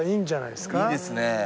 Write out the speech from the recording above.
いいですね。